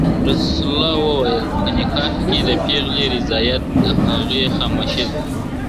رسول الله وويل په نکاح کي د پيغلي رضائيت د هغې خاموشي ده.